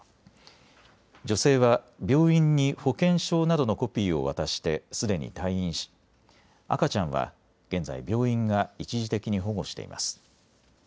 女性は病院に保険証などのコピーを渡してすでに退院し赤ちゃんは現在、病院が一時的に保護しています。